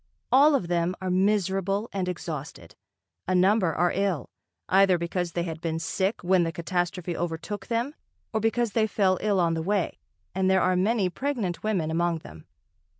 All of them are miserable and exhausted, a number are ill, either because they had been sick when the catastrophe overtook them or because they fell ill on the way, and there are many pregnant women among them.